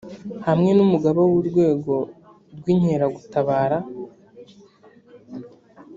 hamwe n umugaba w urwego rw inkeragutabara